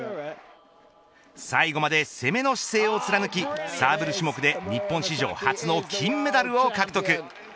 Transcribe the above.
最後まで攻めの姿勢を貫きサーブル種目で日本史上初の金メダルを獲得。